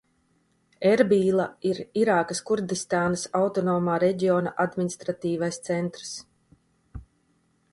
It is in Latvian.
Erbīla ir Irākas Kurdistānas autonomā reģiona administratīvais centrs.